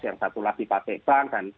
yang satu lagi pakai bank